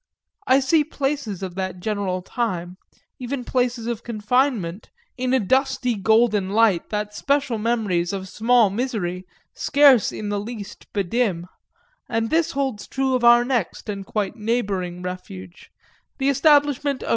I see places of that general time, even places of confinement, in a dusty golden light that special memories of small misery scarce in the least bedim, and this holds true of our next and quite neighbouring refuge; the establishment of M.